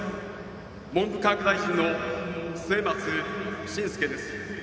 文部科学大臣の末松信介です。